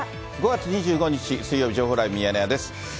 ５月２５日水曜日、情報ライブミヤネ屋です。